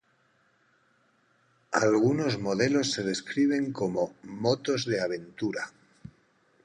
Algunos modelos se describen como "motos de aventura".